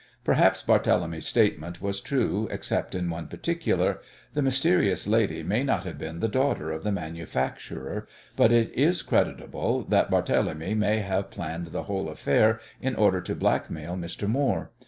Perhaps Barthélemy's statement was true except in one particular. The mysterious lady may not have been the daughter of the manufacturer, but it is credible that Barthélemy may have planned the whole affair in order to blackmail Mr. Moore.